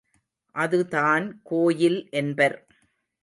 அதுதான் கோயில் என்பர்.